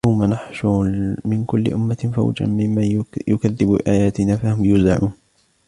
ويوم نحشر من كل أمة فوجا ممن يكذب بآياتنا فهم يوزعون